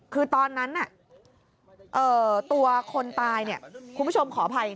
คือตอนนั้นตัวคนตายคุณผู้ชมขออภัย